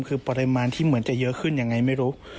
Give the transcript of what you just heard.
คือปริมาณที่เหมือนจะเยอะขึ้นยังไงไม่รู้